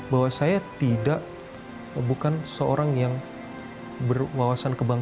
bahwa saya tidak bukan seorang yang berwawasan kebangsaan